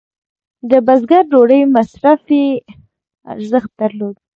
د بزګر ډوډۍ مصرفي ارزښت درلود.